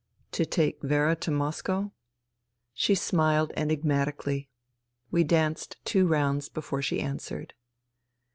" To take Vera to Moscow ?" She smiled enigmatically. We danced two rounds before she answered.